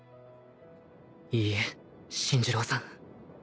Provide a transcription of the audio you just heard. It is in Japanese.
いいえ槇寿郎さん